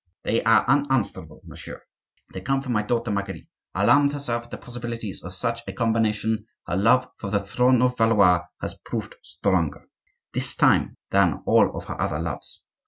"They are unanswerable, monsieur; they come from my daughter Marguerite. Alarmed herself at the possibilities of such a combination, her love for the throne of the Valois has proved stronger, this time, than all her other loves.